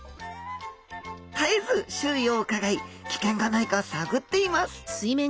絶えず周囲をうかがい危険がないか探っています。